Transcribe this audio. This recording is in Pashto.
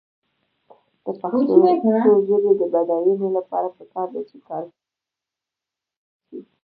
د پښتو ژبې د بډاینې لپاره پکار ده چې کارکردي اړخ زیات شي.